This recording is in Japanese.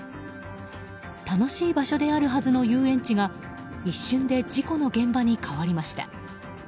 楽しい場所であるはずの遊園地が一瞬で事故の現場に変わりました。